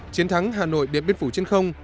chiến thắng hà nội điện biên phủ trên không